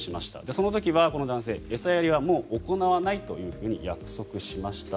その時はこの男性、餌やりはもう行わないと約束しました。